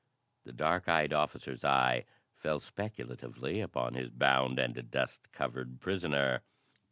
The dark eyed officer's eye fell speculatively upon his bound and dust covered prisoner.